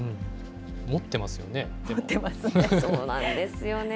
持ってますね。